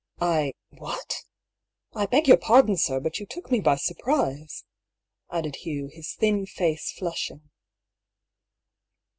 " I — what 9 I beg your pardon, sir, but you took me by surprise," added Hugh, his thin face flushing.